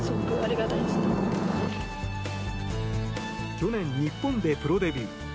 去年、日本でプロデビュー。